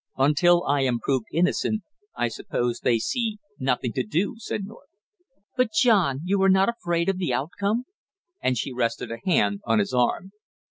"Until I am proved innocent, I suppose they see nothing to do," said North. "But, John, you are not afraid of the outcome?" And she rested a hand on his arm.